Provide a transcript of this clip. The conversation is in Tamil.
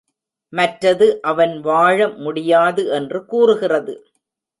மற்றது, அவன் வாழ முடியாது என்று கூறுகிறது.